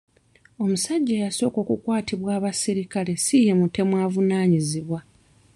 Omusajja eyasooka okukwatibwa abaserikale si ye mutemu avunaanyizibwa.